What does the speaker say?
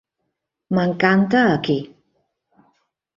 M'encanta aquí.